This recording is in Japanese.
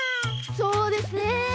そうですね。